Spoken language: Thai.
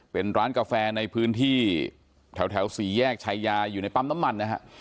เป็นร้านกาแฟในพื้นที่แถวสี่แยกชายาอยู่ในปั๊มน้ำมันนะฮะ